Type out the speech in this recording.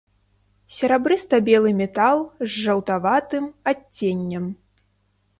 Серабрыста-белы метал з жаўтаватым адценнем.